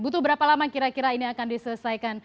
butuh berapa lama kira kira ini akan diselesaikan